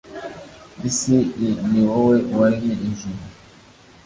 isi i ni wowe waremye ijuru